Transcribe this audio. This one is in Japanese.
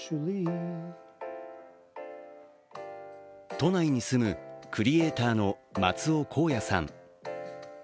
都内に住むクリエーターの松尾公也さん。